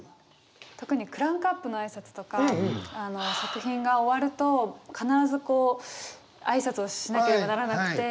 特にクランクアップの挨拶とか作品が終わると必ず挨拶をしなければならなくて。